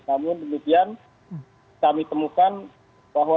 namun demikian kami temukan bahwa